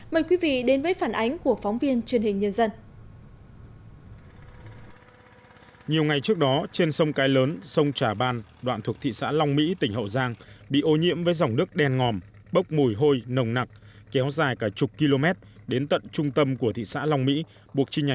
mời quý vị đến với phản ánh của phóng viên truyền hình nhân dân